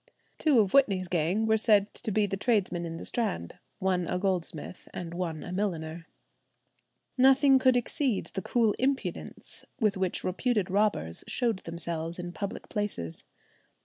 Two of Whitney's gang were said to be the tradesmen in the Strand—one a goldsmith and one a milliner. Nothing could exceed the cool impudence with which reputed robbers showed themselves in public places.